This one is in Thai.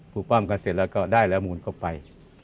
ปั้มกันเสร็จแล้วก็ได้แล้วมูลก็ไป